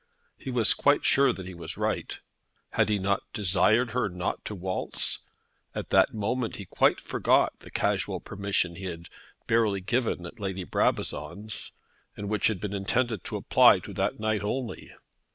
He was quite sure that he was right. Had he not desired her not to waltz? At that moment he quite forgot the casual permission he had barely given at Lady Brabazon's, and which had been intended to apply to that night only.